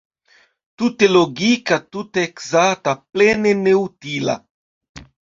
Tute logika, tute ekzakta, plene neutila.